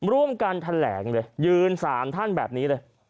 ร่วมกันแถลงเลยยืน๓ท่านแบบนี้เลย